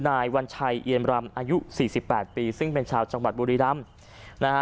นายวัญชัยเอียมรำอายุสี่สิบแปดปีซึ่งเป็นชาวจังหวัดบุรีรำนะฮะ